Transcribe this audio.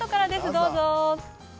どうぞ。